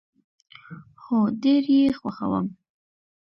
هو، ډیر یي خوښوم